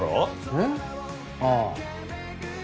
えっ？ああ。